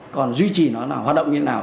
còn duy trì nó là hoạt động như thế nào